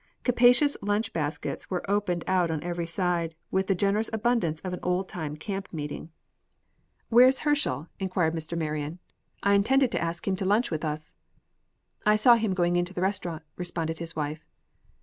Capacious lunch baskets were opened out on every side, with the generous abundance of an old time camp meeting. "Where is Herschel?" inquired Mr. Marion. "I intended to ask him to lunch with us." "I saw him going into the restaurant," replied his wife.